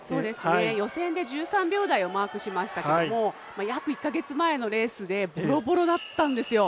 予選で１３秒台をマークしましたけども約１か月前のレースでボロボロだったんですよ。